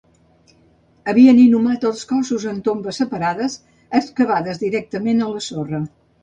Havien inhumat els cossos en tombes separades, excavades directament a la sorra.